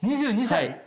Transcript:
２２歳！